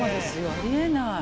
ありえない。